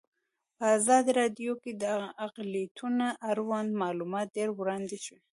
په ازادي راډیو کې د اقلیتونه اړوند معلومات ډېر وړاندې شوي.